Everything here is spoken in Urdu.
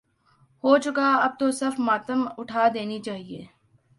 ہو چکا اب تو صف ماتم اٹھاد ینی چاہیے۔